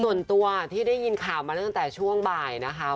ส่วนตัวที่ได้ยินข่าวมาตั้งแต่ช่วงบ่ายนะคะ